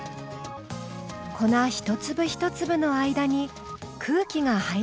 粉一粒一粒の間に空気が入り込むからです。